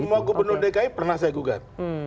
semua gubernur dki pernah saya gugat